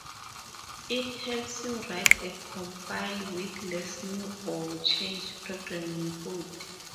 It helps you write a compiler with less new or changed programming code.